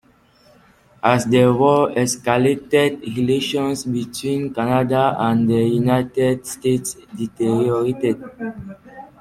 As the war escalated, relations between Canada and the United States deteriorated.